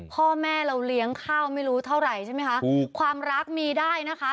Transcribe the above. พ่อแม่เราเลี้ยงข้าวไม่รู้เท่าไหร่ใช่ไหมคะความรักมีได้นะคะ